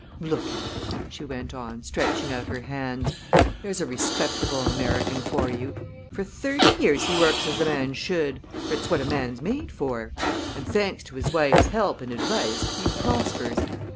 "Look at him!" she went on, stretching out her hands. "There's a respectable American for you! For thirty years he works as a man should for it's what a man's made for and thanks to his wife's help and advice he prospers.